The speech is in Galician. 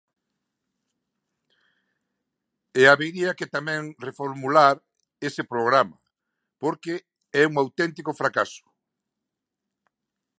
E habería que tamén reformular ese programa, porque é un auténtico fracaso.